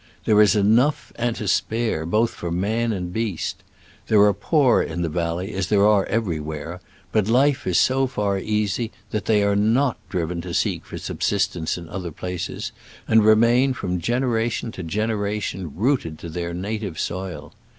There is enough and to spare both for man and beast. There are poor in the valley, as there are everywhere, but life is so far easy that they are not driven to seek for subsistence in other places, and remain from generation to generation rooted to their native soil.